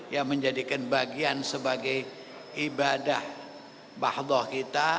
yang menjadikan bagian sebagai ibadah bahdoh kita